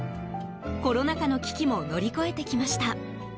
コロナ禍の危機も乗り越えてきました。